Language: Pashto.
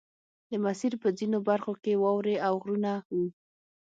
د مسیر په ځینو برخو کې واورې او غرونه وو